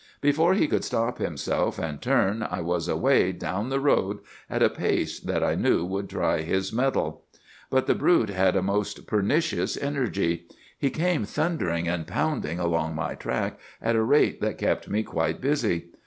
Before he could stop himself and turn I was away down the road at a pace that I knew would try his mettle. "'But the brute had a most pernicious energy. He came thundering and pounding along my tracks at a rate that kept me quite busy.